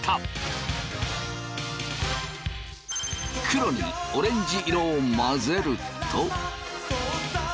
黒にオレンジ色を混ぜると。